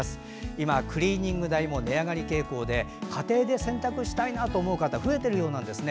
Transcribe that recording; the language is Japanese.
今クリーニング代も値上がり傾向で家庭で洗濯したいと思う方増えているようなんですね。